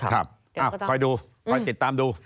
คอยดูคอยติดตามดู